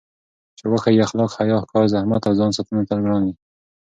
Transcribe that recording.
چې وښيي اخلاق، حیا، کار، زحمت او ځانساتنه تل ګران وي.